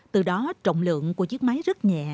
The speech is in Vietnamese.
từ đó trọng lượng của chiếc máy rất nhẹ